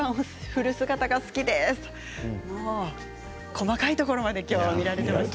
細かいところまで今日は見られていましたよ。